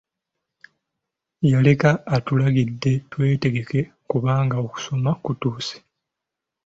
Yaleka atulagidde twetegeke kubanga okusoma kutuuse.